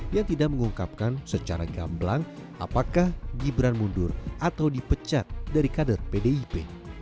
yang tidak mengungkapkan secara gamblang apakah gibran mundur atau dipecat dari kader pdip